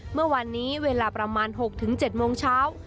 เมื่อวานนี้เวลาประมาณ๖๗โมงเช้า